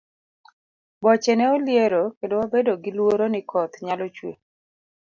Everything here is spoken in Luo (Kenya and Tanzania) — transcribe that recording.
Boche ne oliero kendo wabedo gi luoro ni koth nyalo chue.